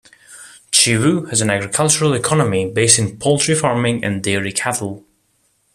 Chivhu has an agricultural economy, based in poultry farming and dairy cattle.